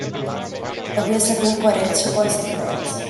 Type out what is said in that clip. Trebuie să fim corecți și consecvenți.